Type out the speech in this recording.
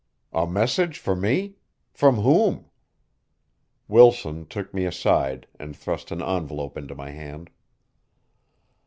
"A message for me! From whom?" Wilson took me aside, and thrust an envelope into my hand.